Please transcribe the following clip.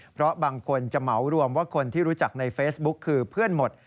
เพราะบางคนจะเหมารวมว่าคนที่รู้จักในเฟซบุ๊กคือเพื่อนหมด